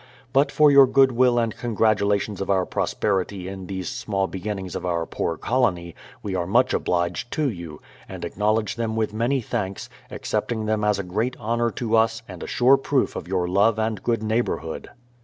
But for your good will and con gratulations of our prosperity in these small beginnings of our poor colony, we are much obliged to you, and acknowledge them with many thanks, accepting them as a great honour to us and a sure proof of your love and good neighbourhood.